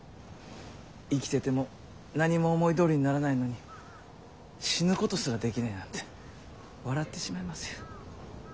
生きてても何も思いどおりにならないのに死ぬことすらできないなんて笑ってしまいますよ。